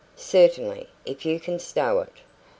"Certainly, if you can stow it.